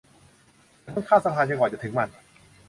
อย่าพึ่งข้ามสะพานจนกว่าจะถึงมัน